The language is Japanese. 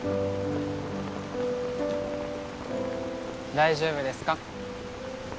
大丈夫ですか？